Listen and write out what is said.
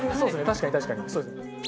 確かに確かにそうですね。